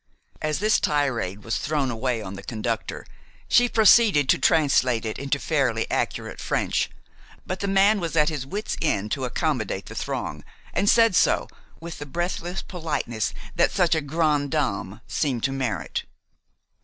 As this tirade was thrown away on the conductor, she proceeded to translate it into fairly accurate French; but the man was at his wits' end to accommodate the throng, and said so, with the breathless politeness that such a grande dame seemed to merit.